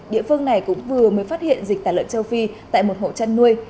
địa phương này cũng vừa mới phát hiện dịch tả lợn châu phi tại một hộ chăn nuôi